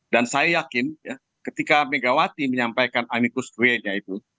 dan saya yakin ya ketika megawati menyampaikan amicus curiae nya itu